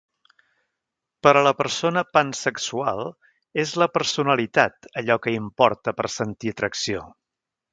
Per a la persona pansexual, és la personalitat allò que importa per sentir atracció.